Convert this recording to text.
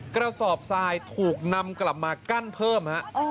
กระสอบทรายถูกนำกลับมากั้นเพิ่มฮะ